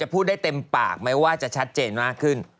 พูดได้เต็มปากไหมว่าจะชัดเจนมากขึ้น